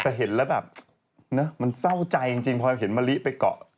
แต่เห็นแล้วแบบมันเศร้าใจจริงพอเห็นมะลิไปเกาะ